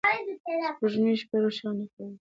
سپوږمۍ شپه روښانه کوي.